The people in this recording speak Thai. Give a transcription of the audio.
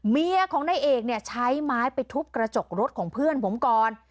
เมียของนายเอกเนี่ยใช้ไม้ไปทุบกระจกรถของเพื่อนผมก่อน